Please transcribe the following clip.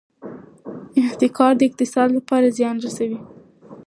احتکار د اقتصاد لپاره زیان لري.